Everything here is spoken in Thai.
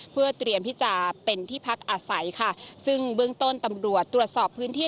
เพื่อเตรียมที่จะเป็นที่พักอาศัยค่ะซึ่งเบื้องต้นตำรวจตรวจสอบพื้นที่